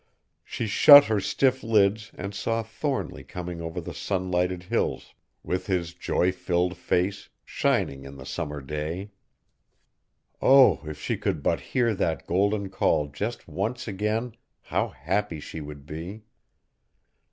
She shut her stiff lids and saw Thornly coming over the sunlighted Hills with his joy filled face, shining in the summer day! Oh! if she could but hear that golden call just once again how happy she would be!